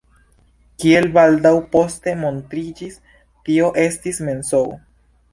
Kiel baldaŭ poste montriĝis, tio estis mensogo.